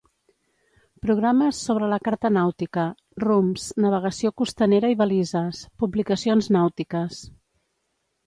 Programes sobre la carta nàutica, rumbs, navegació costanera i balises, publicacions nàutiques.